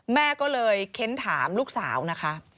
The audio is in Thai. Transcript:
แม่ก็เลยเค้นถามลูกสาวนะคะ